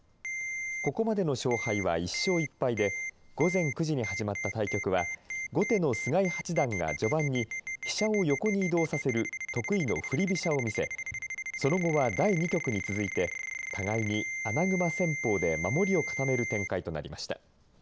ここまでの勝敗は１勝１敗で午前９時に始まった対局は後手の菅井八段が序盤に飛車を横に移動させる得意の振り飛車を見せその後は第２局に続いて互いに穴熊戦法で守りを固める展開となりました。